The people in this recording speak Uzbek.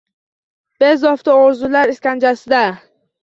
Bezovta orzular iskanjasida